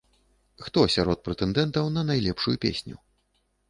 Хто сярод прэтэндэнтаў на найлепшую песню?